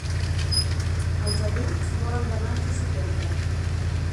Els adults volen de maig a setembre.